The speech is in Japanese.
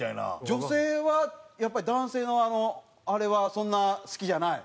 女性はやっぱり男性のあのあれはそんな好きじゃない？